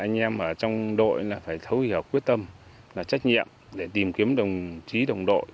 anh em ở trong đội là phải thấu hiểu quyết tâm là trách nhiệm để tìm kiếm đồng chí đồng đội